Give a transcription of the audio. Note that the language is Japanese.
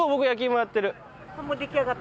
もう出来上がった？